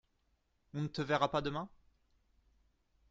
On ne te verra pas demain ?